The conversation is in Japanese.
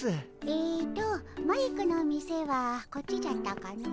えっとマイクの店はこっちじゃったかの。